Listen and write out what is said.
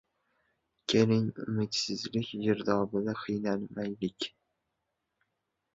Keling, umidsizlik girdobida qiynalmaylik.